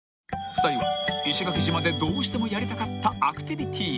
［２人は石垣島でどうしてもやりたかったアクティビティへ］